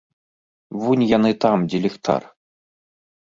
Вунь яны там, дзе ліхтар.